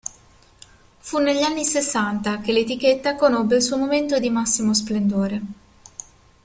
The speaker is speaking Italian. Fu negli anni sessanta che l'etichetta conobbe il suo momento di massimo splendore.